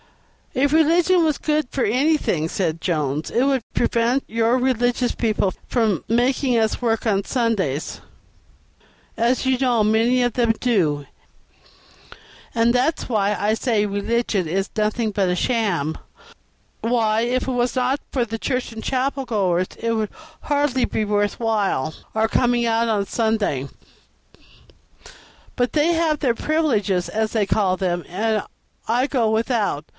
"If religion was good for anything," said Jones, "it would prevent your religious people from making us work on Sundays, as you know many of them do, and that's why I say religion is nothing but a sham; why, if it was not for the church and chapel goers it would be hardly worth while our coming out on a Sunday. But they have their privileges, as they call them, and I go without.